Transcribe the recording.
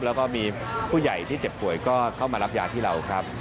แล้วก็มีผู้ใหญ่ที่เจ็บป่วยก็เข้ามารับยาที่เราครับ